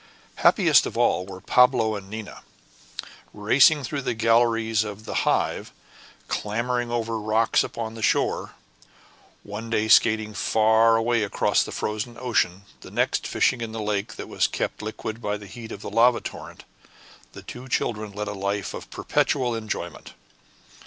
Happiest of all were Pablo and Nina. Racing through the galleries of the Hive, clambering over the rocks upon the shore, one day skating far away across the frozen ocean, the next fishing in the lake that was kept liquid by the heat of the lava torrent, the two children led a life of perpetual enjoyment.